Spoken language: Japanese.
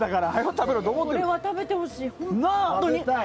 食べろとこれは食べてほしい。